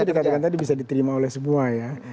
itu dikata kata bisa diterima oleh semua ya